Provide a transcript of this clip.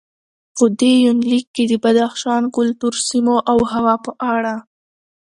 په دې یونلیک کې د بدخشان د کلتور، سیمو او هوا په اړه